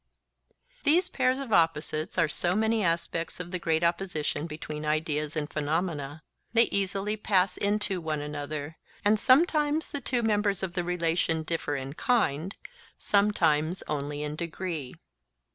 These pairs of opposites are so many aspects of the great opposition between ideas and phenomena—they easily pass into one another; and sometimes the two members of the relation differ in kind, sometimes only in degree.